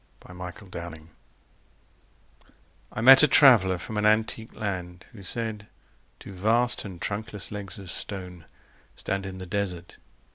Y Z Ozymandias I MET a traveller from an antique land Who said: Two vast and trunkless legs of stone Stand in the desert